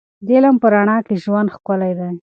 د علم په رڼا کې ژوند ښکلی دی.